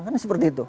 kan seperti itu